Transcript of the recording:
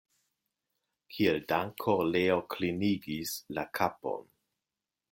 Kiel danko Leo klinigis la kapon.